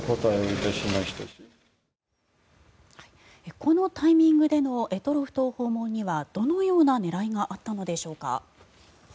このタイミングでの択捉島訪問にはどのような狙いがあったのでしょうか。